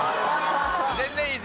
全然いい。